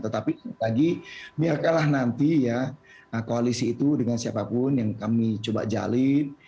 tetapi lagi biarkanlah nanti ya koalisi itu dengan siapapun yang kami coba jalin